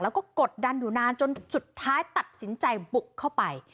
แล้วก็กดดันอยู่นานจนสุดท้ายตัดสินใจบุกเข้าไป